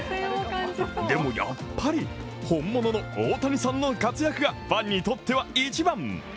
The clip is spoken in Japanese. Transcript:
でも、やっぱり本物のオオタニサンの活躍がファンにとっては一番。